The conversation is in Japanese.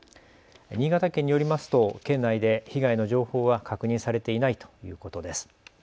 新潟県によりますと県内で被害の情報は確認されていないということです。